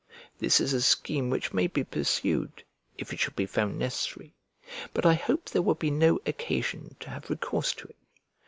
This is a scheme which may be pursued, if it should be found necessary; but I hope there will be no occasion to have recourse to it.